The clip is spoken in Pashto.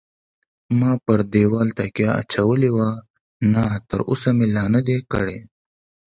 ما پر دېواله تکیه اچولې وه، نه تراوسه مې لا نه دی کړی.